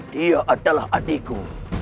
dia adalah adikku